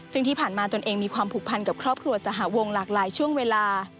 ซึ่งที่ผ่านมาตนเองมีความผูกพันกับครอบครัวสหวงหลากหลายช่วงเวลา